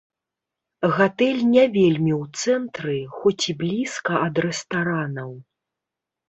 Гатэль не вельмі ў цэнтры, хоць і блізка ад рэстаранаў.